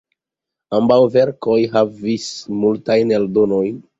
Ambaŭ verkoj havis multajn eldonojn.